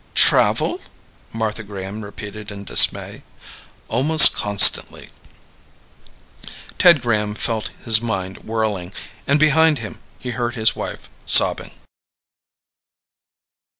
"Travel?" Martha Graham repeated in dismay. "Almost constantly." Ted Graham felt his mind whirling. And behind him, he heard his wife sobbing.